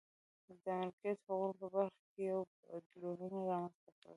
د مالکیت حقونو په برخه کې یې بدلونونه رامنځته کړل.